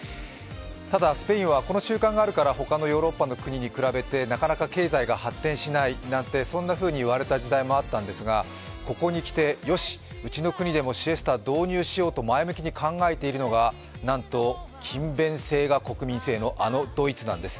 ただスペインはこの習慣があるから他のヨーロッパの国に比べてなかなか経済が発展しないなんてそんなふうに言われた時代もあったんですが、ここに来て、よし、うちの国でもシエスタを導入しようと前向きに考えているのがなんと勤勉性が国民性のあのドイツなんです。